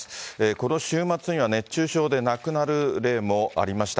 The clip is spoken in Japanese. この週末には熱中症で亡くなる例もありました。